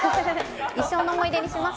一生の思い出にします。